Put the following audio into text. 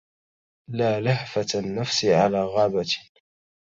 لا لهفة النفس على غابة